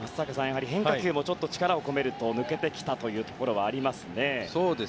変化球も力を込めると抜けてきたというところがありますね。